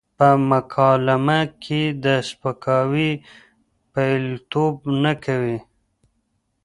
په مکالمه کې د سپکاوي پلويتوب نه کوي.